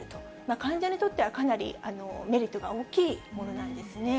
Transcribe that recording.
患者にとってはかなりメリットが大きいものなんですね。